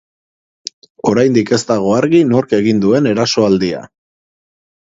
Oraindik ez dago argi nork egin duen erasoaldia.